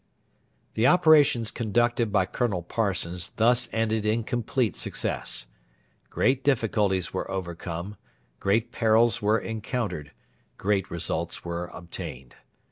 The operations conducted by Colonel Parsons thus ended in complete success. Great difficulties were overcome, great perils were encountered, great results were obtained.